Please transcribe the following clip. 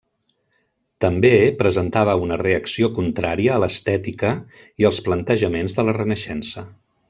També, presentava una reacció contrària a l'estètica i els plantejaments de la Renaixença.